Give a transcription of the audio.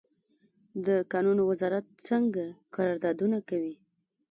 د کانونو وزارت څنګه قراردادونه کوي؟